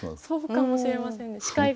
そうかもしれませんね。